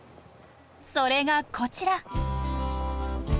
それがこちら！